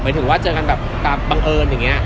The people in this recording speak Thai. ถึงว่าเจอกันแบบตามบังเอิญอย่างนี้